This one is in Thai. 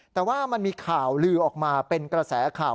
แต่ว่ามันมีข่าวลือออกมาเป็นกระแสข่าว